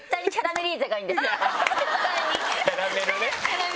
キャラメルね。